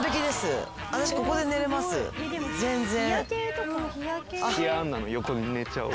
全然。